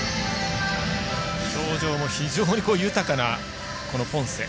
表情も非常に豊かなポンセ。